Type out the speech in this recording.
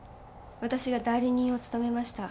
私が代理人を務めました。